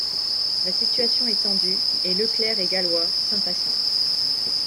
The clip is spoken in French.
La situation est tendue, et Leclerc et Gallois s'impatientent.